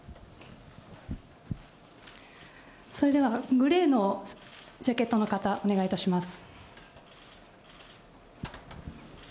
それではグレーのジャケットの方、お願いいたします。